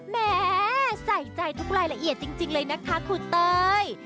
แม้ใส่ใจทุกรายละเอียดจริงเลยนะคะครูเต้ย